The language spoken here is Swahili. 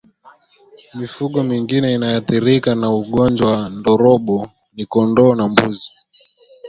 Mifugo mingine inayoathirika na ugonjwa wa ndorobo ni kondoo na mbuzi